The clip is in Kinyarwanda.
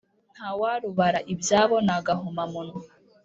Ntawarubara ibyabo nagahoma munwa